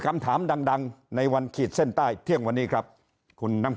คำถามดังในวันขีดเส้นใต้เที่ยงวันนี้ครับคุณน้ำข